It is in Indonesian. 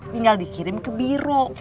tinggal dikirim ke biro